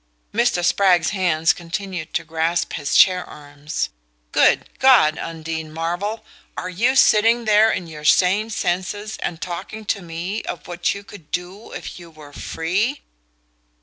Mr. Spragg's hands continued to grasp his chair arms. "Good God, Undine Marvell are you sitting there in your sane senses and talking to me of what you could do if you were FREE?"